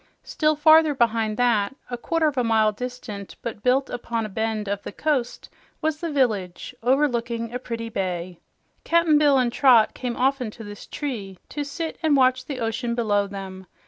Still farther behind that a quarter of a mile distant but built upon a bend of the coast was the village, overlooking a pretty bay. Cap'n Bill and Trot came often to this tree to sit and watch the ocean below them.